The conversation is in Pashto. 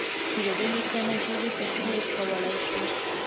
چې د ده لیکنه ژبې ته څه ورکولای شي.